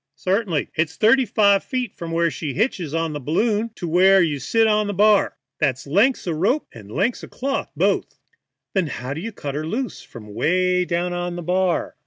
"Certainly. It's thirty five feet from where she hitches on t' the balloon to where you sit on the bar. That's length o' ropes and length o' cloth both." "Then, how can you cut her loose from 'way down on the bar?"